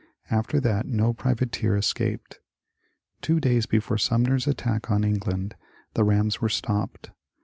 After that no privateer escaped ; two days before Sumner's attack on England, the rams were stopped.